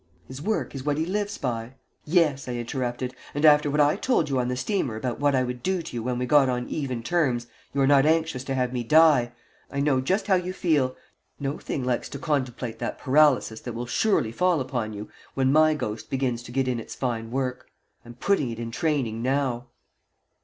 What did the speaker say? His work is what he lives by '" "Yes," I interrupted, "and after what I told you on the steamer about what I would do to you when we got on even terms, you are not anxious to have me die. I know just how you feel. No thing likes to contemplate that paralysis that will surely fall upon you when my ghost begins to get in its fine work. I'm putting it in training now."